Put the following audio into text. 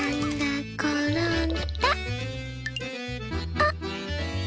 あっ！